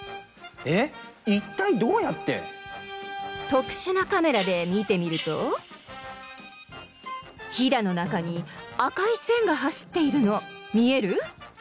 えっいったいどうやって？とくしゅなカメラでみてみるとヒダのなかにあかいせんがはしっているのみえる？